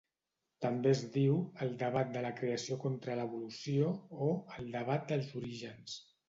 També es diu "el debat de la creació contra l'evolució" o "el debat dels orígens".